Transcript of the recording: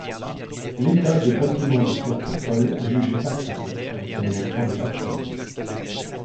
L’état de bâtiments de cette école est jugé passable avec l’aménagement des latrines.